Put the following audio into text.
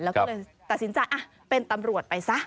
แล้วก็เลยตัดสินใจเป็นตำรวจไปซะ